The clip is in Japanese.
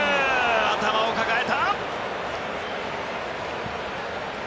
頭を抱えた！